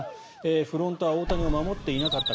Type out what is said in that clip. フロントは大谷を守っていなかった